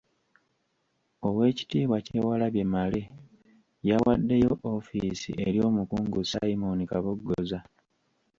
Oweekitiibwa Kyewalabye Male yawaddeyo ofiisi eri Omukungu Simon Kaboggoza.